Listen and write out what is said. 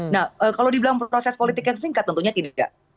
nah kalau dibilang proses politik yang singkat tentunya tidak